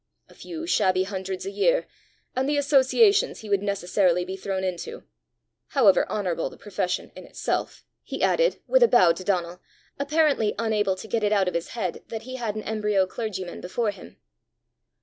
A few shabby hundreds a year, and the associations he would necessarily be thrown into! However honourable the profession in itself!" he added, with a bow to Donal, apparently unable to get it out of his head that he had an embryo clergyman before him.